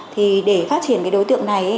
thì để phát triển cái đối tượng này